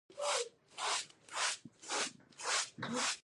قاتل یې معلوم نه دی